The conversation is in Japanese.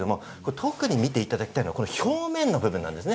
特に見ていただきたいのは表面の部分です。